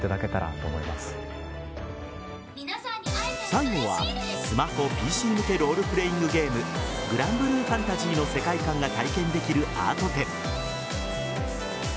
最後はスマホ・ＰＣ向けロールプレイングゲーム「グランブルーファンタジー」の世界観が体験できるアート展。